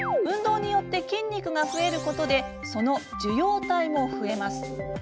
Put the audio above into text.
運動によって筋肉が増えることで受容体も増えます。